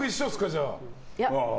じゃあ。